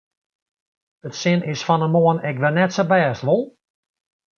It sin is fan 'e moarn ek wer net sa bêst, wol?